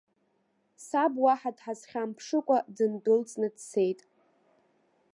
Саб уаҳа дҳазхьамԥшыкәа, дындәылҵны дцеит.